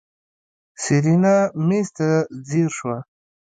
سېرېنا مېز ته ځير شوه.